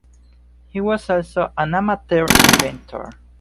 He was also an amateur inventor.